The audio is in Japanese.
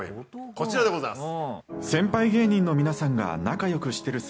こちらでございます。